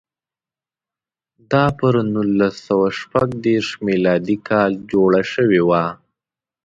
دا پر نولس سوه شپږ دېرش میلادي کال جوړه شوې وه.